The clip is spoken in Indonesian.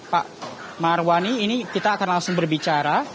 pak marwani ini kita akan langsung berbicara